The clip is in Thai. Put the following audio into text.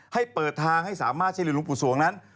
ให้เปิดทางให้สามารถเชี่ยวลุงปู่ส่วงนั้น